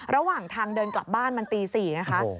ระหว่างทางเดินกลับบ้านมันตี๔ไงคะ